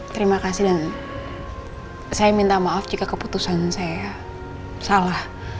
terima kasih dan saya minta maaf jika keputusan saya salah